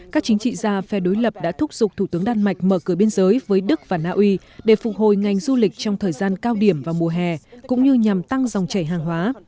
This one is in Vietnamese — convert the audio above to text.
các chính trị gia phe đối lập đã thúc giục thủ tướng đan mạch mở cửa biên giới với đức và naui để phục hồi ngành du lịch trong thời gian cao điểm và mùa hè cũng như nhằm tăng dòng chảy hàng hóa